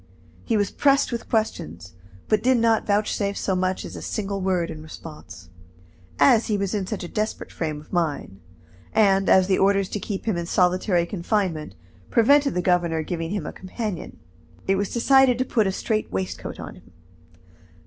He was pressed with questions, but did not vouchsafe so much as a single word in response. As he was in such a desperate frame of mind, and as the orders to keep him in solitary confinement prevented the governor giving him a companion, it was decided to put a straight waistcoat on him.